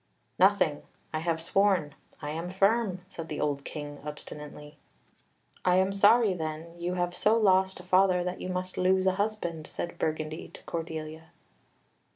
"Nothing; I have sworn; I am firm," said the old King obstinately. "I am sorry, then, you have so lost a father that you must lose a husband," said Burgundy to Cordelia.